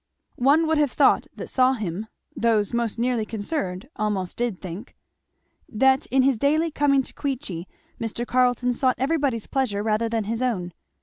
One would have thought that saw him, those most nearly concerned almost did think, that in his daily coming to Queechy Mr. Carleton sought everybody's pleasure rather than his own.